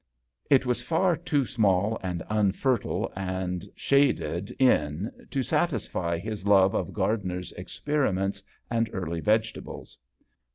It was Far too small and unfertile and shaded in to satisfy his love of gardener's experiments and early vegetables.